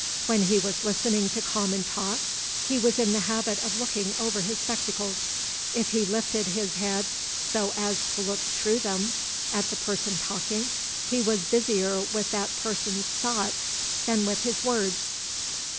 When he was listening to common talk, he was in the habit of looking over his spectacles; if he lifted his head so as to look through them at the person talking, he was busier with that person's thoughts than with his words.